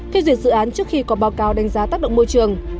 phê duyệt dự án trước khi có báo cáo đánh giá tác động môi trường